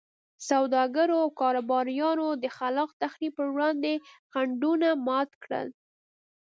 سوداګرو او کاروباریانو د خلاق تخریب پر وړاندې خنډونه مات کړل.